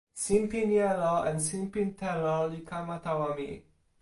sinpin jelo en sinpin telo li kama tawa mi.